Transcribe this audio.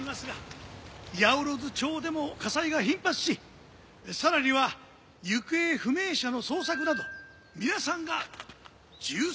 八百万町でも火災が頻発しさらには行方不明者の捜索など皆さんが重責を。